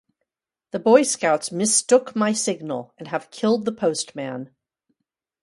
The Boy-scouts mistook my signal, and have killed the postman.